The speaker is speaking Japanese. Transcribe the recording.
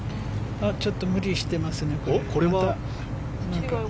ちょっと無理してますね。